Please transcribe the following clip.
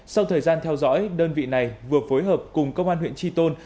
sau thời gian theo dõi đơn vị này vừa phối hợp cùng công an huyện tri tôn